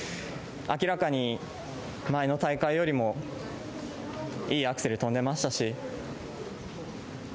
明らかに前の大会よりも、いいアクセル跳んでましたし。